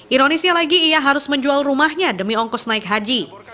ironisnya lagi ia harus menjual rumahnya demi ongkos naik haji